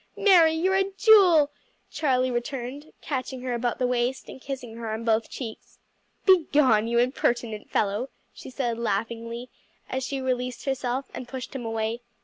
"Mary, you're a jewel!" Charlie returned, catching her about the waist and kissing her on both cheeks. "Begone, you impertinent fellow!" she said laughingly as she released herself and pushed him away.